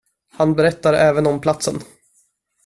Han berättar även om platsen.